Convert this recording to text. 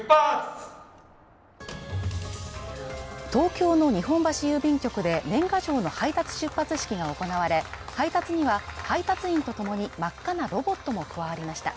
東京の日本橋郵便局で年賀状の配達出発式が行われ配達には、配達員とともに真っ赤なロボットも加わりました。